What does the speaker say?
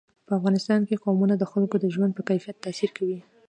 په افغانستان کې قومونه د خلکو د ژوند په کیفیت تاثیر کوي.